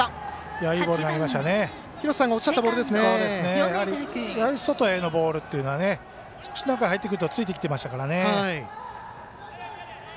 やはり外へのボールというのは少し中に入ってくるとついてきていましたからね。